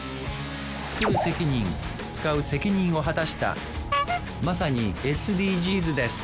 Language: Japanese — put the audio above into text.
作る責任使う責任を果たしたまさにＳＤＧｓです